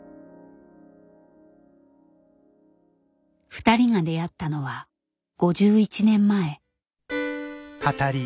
ふたりが出会ったのは５１年前。